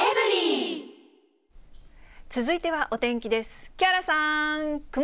続いてはお天気です。